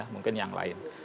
mungkin yang lain